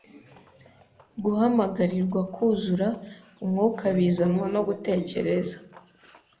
guhamagarirwa kwuzura Umwuka bizanwa no gutekereza